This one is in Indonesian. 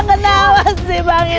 kenapa sih bang